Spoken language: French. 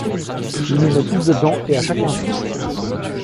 Il nous met tous dedans, et à chaque instant!...